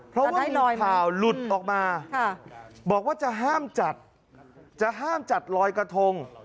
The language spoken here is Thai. เพราะว่าข่าวหลุดออกมาบอกว่าจะห้ามจัดจะห้ามจัดลอยกระทง